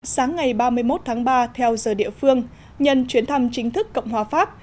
sáng ngày ba mươi một tháng ba theo giờ địa phương nhân chuyến thăm chính thức cộng hòa pháp